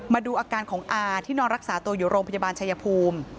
มาดูอาการของอาที่นอนรักษาตัวอยู่โรงพยาบาลชายภูมิ